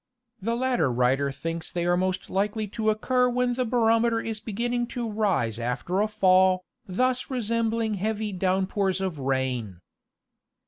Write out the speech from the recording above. The latter writer thinks they are most likely to occur when the barometer is beginning to rise Se a fall, thus resembling heavy down pours of rain.